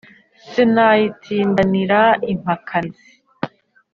sinayitindanira impakanizi